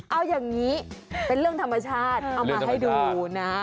เอาอย่างนี้เป็นเรื่องธรรมชาติเอามาให้ดูนะ